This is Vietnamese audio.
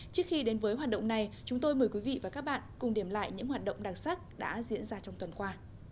trước khi đến với hoạt động này chúng tôi mời quý vị và các bạn cùng điểm lại những hoạt động đặc sắc đã diễn ra trong tuần qua